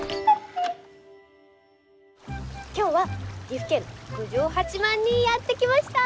今日は岐阜県郡上八幡にやって来ました！